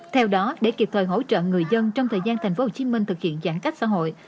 theo đó để kịp thời hỗ trợ người dân trong thời gian thành phố hồ chí minh thực hiện giãn cách xã hội